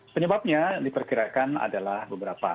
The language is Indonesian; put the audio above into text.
penyebabnya diperkirakan adalah beberapa